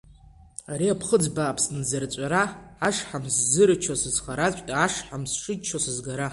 Ари аԥхыӡ бааԥс нзырҵәара, ашҳам сзырччо сызхараҵәҟьа, ашҳам сшыччо сызгара…